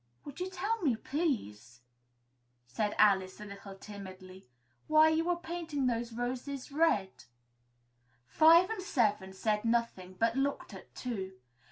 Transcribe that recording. "Would you tell me, please," said Alice, a little timidly, "why you are painting those roses?" Five and Seven said nothing, but looked at Two.